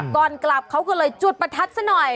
ก่อนกลับเขาก็เลยจุดประทัดซะหน่อย